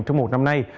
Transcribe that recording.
trong một năm nay